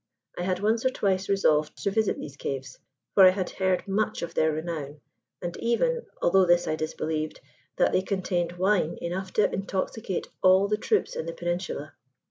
I had once or twice resolved to visit these caves; for I had heard much of their renown, and even (although this I disbelieved) that they contained wine enough to intoxicate all the troops in the Peninsula.